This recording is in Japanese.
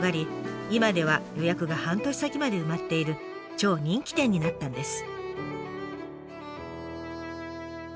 今では予約が半年先まで埋まっている超人気店になったんです。